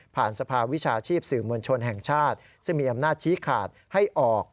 สภาวิชาชีพสื่อมวลชนแห่งชาติซึ่งมีอำนาจชี้ขาดให้ออก